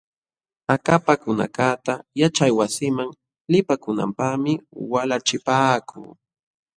Akapakunakaqta yaćhaywasiman lipakunanpaqmi walachipaakuu.